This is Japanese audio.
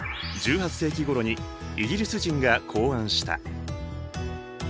１８世紀ごろにイギリス人が考案した。